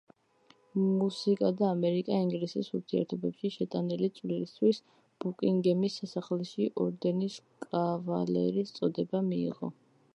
მუსიკასა და ამერიკა-ინგლისის ურთიერთობებში შეტანილი წვლილისთვის ბუკინგემის სასახლეში ორდენის კავალერის წოდება მიიღო.